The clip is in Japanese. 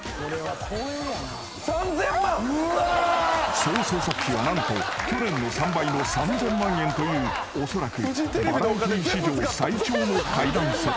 ［総製作費は何と去年の３倍の３，０００万円というおそらくバラエティー史上最長の階段セット］